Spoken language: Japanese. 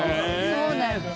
そうなんです。